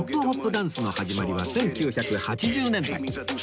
ダンスの始まりは１９８０年代